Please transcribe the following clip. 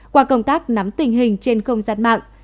qua công tác nắm tình hình trên không gian mạng